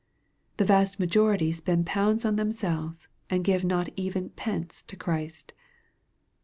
The vast majority spend pounds on themselves, and give not even pence to Christ.